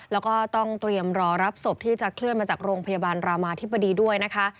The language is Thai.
แล้วก็ต้องเตรียมรอรับศพที่จะเคลื่อนมาจากโรงพยาบาลรามาธิบดีด้วยนะคะ